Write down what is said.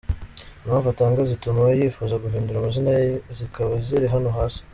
Impamvu atanga zituma yifuza guhindura amazina ye zikaba ziri hano hasi:.